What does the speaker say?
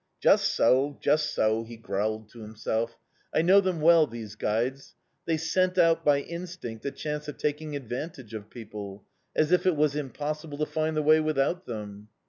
"Just so, just so," he growled to himself. "I know them well these guides! They scent out by instinct a chance of taking advantage of people. As if it was impossible to find the way without them!"